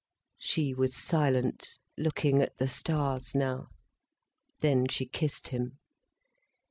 She was silent, looking at the stars now. Then she kissed him.